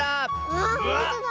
わあほんとだ。